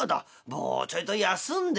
もうちょいと休んでから」。